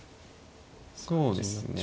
そうですね。